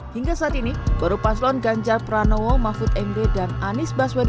hingga saat ini baru paslon ganjar pranowo mahfud md dan anies baswedan